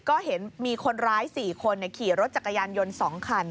ก็เห็นมีคนร้าย๔คนขี่รถจักรยานยนต์๒คัน